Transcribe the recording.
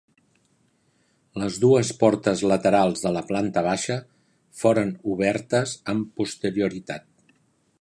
Les dues portes laterals de la planta baixa foren obertes amb posterioritat.